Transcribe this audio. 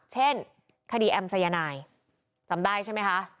เช่นคดีแอมสายนายจำได้ใช่ไหมคะ